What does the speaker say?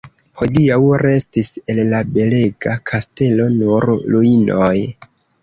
Hodiaŭ restis el la belega kastelo nur ruinoj.